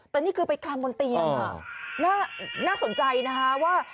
แต่นี่คือไปคลำบนเตียงน่าสนใจนะคะว่า